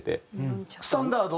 スタンダード？